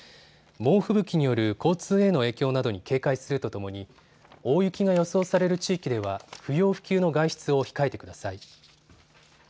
猛吹雪による交通への影響などに警戒するとともに大雪が予想される地域では、不要不急の外出を控えてください。